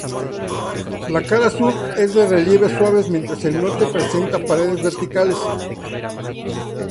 La cara sur es de relieves suaves mientras en la norte presenta paredes verticales.